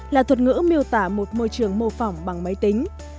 là thuật ngữ miêu tả một môi trường mô phỏng bằng máy tính